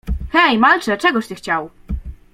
"Hej, malcze, czegoś ty chciał?"